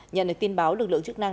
nhận được tin báo lực lượng chức năng